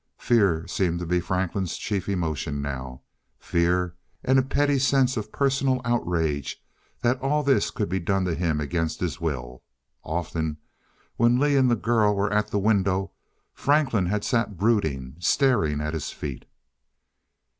Fear seemed to be Franklin's chief emotion now fear and a petty sense of personal outrage that all this could be done to him against his will. Often, when Lee and the girl were at the window, Franklin had sat brooding, staring at his feet.